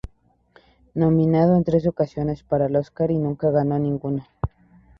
Nominado en tres ocasiones para el Oscar nunca ganó ninguno.